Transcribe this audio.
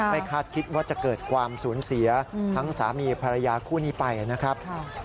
คาดคิดว่าจะเกิดความสูญเสียทั้งสามีภรรยาคู่นี้ไปนะครับ